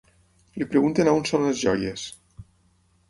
Li pregunten on són les joies.